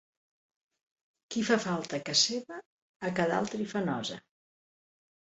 Qui fa falta a ca seva, a ca d'altri fa nosa.